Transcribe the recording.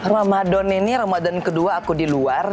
ramadhan ini ramadhan kedua aku diluar